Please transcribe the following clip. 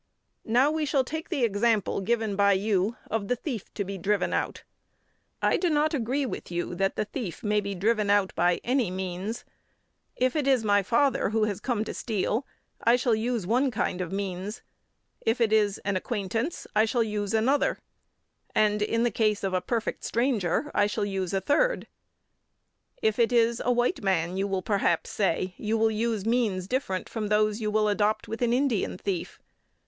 Now we shall take the example given by you of the thief to be driven out. I do not agree with you that the thief may be driven out by any means. If it is my father who has come to steal I shall use one kind of means. If it is an acquaintance, I shall use another; and, in the case of a perfect stranger, I shall use a third. If it is a white man, you will perhaps say, you will use means different from those you will adopt with an Indian thief.